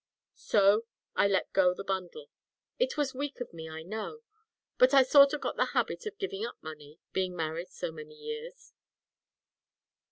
So I let go the bundle. It was weak of me, I know, but I sort of got the habit of giving up money, being married so many years."